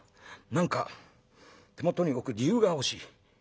何か手元に置く理由が欲しい。